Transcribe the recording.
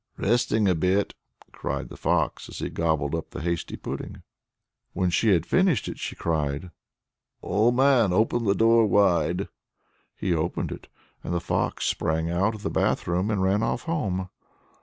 "Resting a bit!" cried the fox, as she gobbled up the hasty pudding. When she had finished it she cried: "Old man! open the door wide." He opened it, and the fox sprang out of the bath room and ran off home.